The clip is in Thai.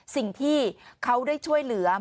สิ่งที่เขาได้ช่วยเหลือ